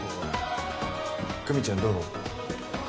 久美ちゃんどう？